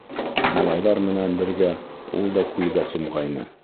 Малайҙар менән бергә ул да күлгә сумғайны.